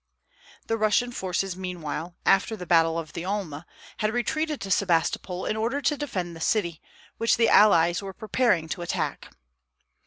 The Russian forces meanwhile, after the battle of the Alma, had retreated to Sebastopol in order to defend the city, which the allies were preparing to attack.